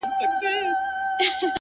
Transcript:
محبت يې د اوبو په اهتزاز دی;